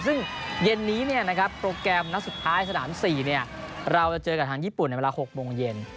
ซึ่งเย็นนี้โปรแกรมนัดสุดท้ายสนาม๔เราจะเจอกับทางญี่ปุ่นในเวลา๖โมงเย็น